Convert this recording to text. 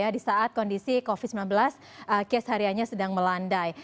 di saat kondisi covid sembilan belas case harianya sedang melandai